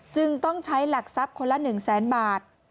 จึงต้องใช้หลักทรัพย์คนละ๑แสนบาท